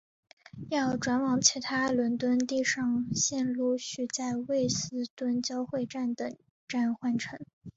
要转往其他伦敦地上线路须在卫斯顿交汇站等站换乘。